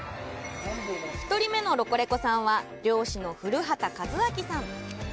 １人目のロコレコさんは漁師の古畑和昭さん。